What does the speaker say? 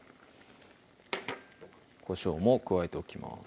こしょうも加えておきます